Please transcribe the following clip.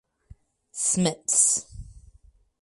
Smits.